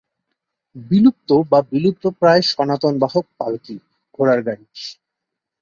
বিলুপ্ত বা বিলুপ্তপ্রায় সনাতন বাহন পালকি, ঘোড়ার গাড়ি।